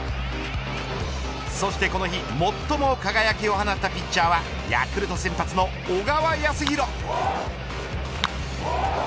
そしてこの日最も輝きを放ったピッチャーはヤクルト先発の小川泰弘。